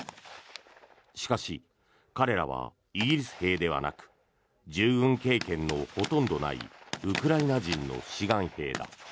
しかし、彼らはイギリス兵ではなく従軍経験のほとんどないウクライナ人の志願兵だ。